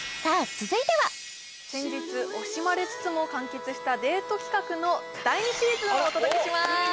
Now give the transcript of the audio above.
さあ続いては先日惜しまれつつも完結したデート企画の第２シーズンをお届けします